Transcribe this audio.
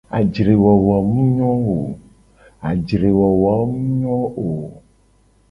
Ajre wowo mu nyo o.